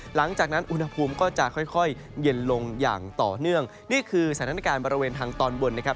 หลังจากนั้นอุณหภูมิก็จะค่อยค่อยเย็นลงอย่างต่อเนื่องนี่คือสถานการณ์บริเวณทางตอนบนนะครับ